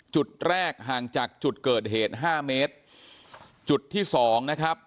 จุดแรกห่างจากจุดเกิดเหตุห้าเมตรจุดที่สองนะครับ